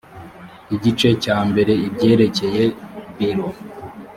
igice cya mbere ibyerekeye biro